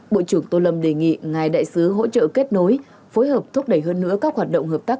bộ trưởng tô lâm đề nghị ngài đại sứ hỗ trợ kết nối phối hợp thúc đẩy hơn nữa các hoạt động hợp tác